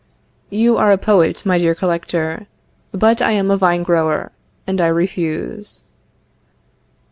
You are a poet, my dear Collector; but I am a vine grower, and I refuse.